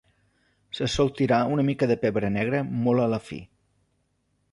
Se sol tirar una mica de pebre negre mòlt a la fi.